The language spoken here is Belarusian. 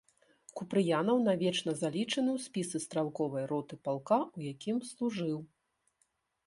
Купрыянаў навечна залічаны ў спісы стралковай роты палка, у якім служыў.